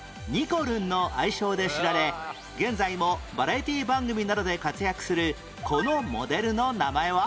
こるん」の愛称で知られ現在もバラエティー番組などで活躍するこのモデルの名前は？